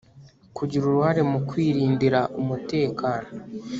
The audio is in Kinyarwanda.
kugira uruhare mu kwirindira umutekano